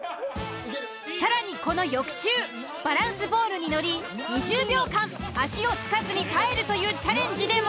更にこの翌週バランスボールに乗り２０秒間足をつかずに耐えるというチャレンジでも。